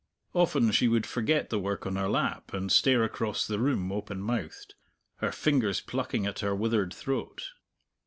Often she would forget the work on her lap, and stare across the room, open mouthed, her fingers plucking at her withered throat.